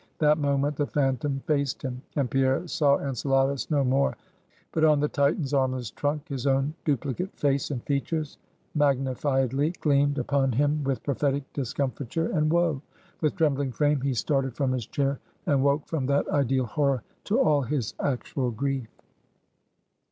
That moment the phantom faced him; and Pierre saw Enceladus no more; but on the Titan's armless trunk, his own duplicate face and features magnifiedly gleamed upon him with prophetic discomfiture and woe. With trembling frame he started from his chair, and woke from that ideal horror to all his actual grief.